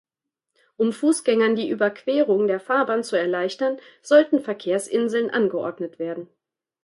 Um Fußgängern die Überquerung der Fahrbahn zu erleichtern, sollten Verkehrsinseln angeordnet werden.